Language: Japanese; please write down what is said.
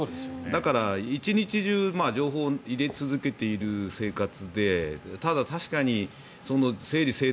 だから、１日中情報を入れ続けている生活でただ確かに整理整頓